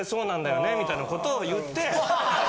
みたいな事を言って。